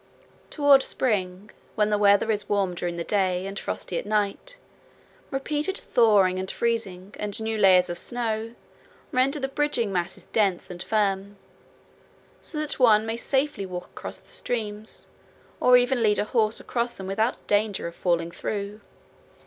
Toward spring, when the weather is warm during the day and frosty at night, repeated thawing and freezing and new layers of snow render the bridging masses dense and firm, so that one may safely walk across the streams, or even lead a horse across them without danger of falling through.